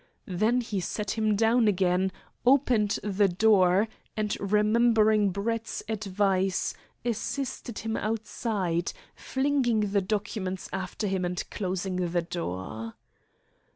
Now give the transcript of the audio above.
Then he set him down again, opened the door, and remembering Brett's advice, assisted him outside, flinging the documents after him and closing the door.